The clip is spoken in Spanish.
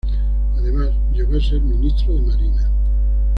Además, llegó a ser Ministro de Marina.